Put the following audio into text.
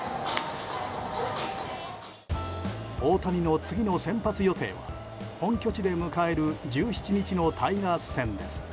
大谷の次の先発予定は本拠地で迎える１７日のタイガース戦です。